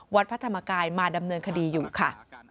วัดพระธรรมกายมาดำเนินคดีอยู่ค่ะ